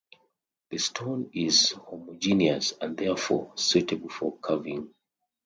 The stone is homogeneous, and therefore suitable for carving.